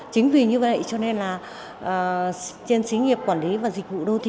chính vì như vậy cho nên là trên xí nghiệp quản lý và dịch vụ đô thị